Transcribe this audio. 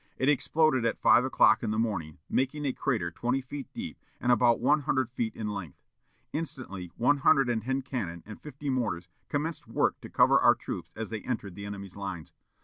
It exploded at five o'clock in the morning, making a crater twenty feet deep and about one hundred feet in length. Instantly one hundred and ten cannon and fifty mortars commenced work to cover our troops as they entered the enemy's lines.